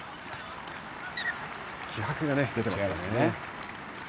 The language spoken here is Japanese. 気迫が出ていますよね。